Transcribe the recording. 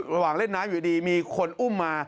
ระหว่างเล่นน้ำอยู่ดีมีคนอุ้มมา